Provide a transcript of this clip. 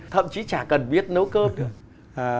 thậm chí chả cần biết nấu cơm được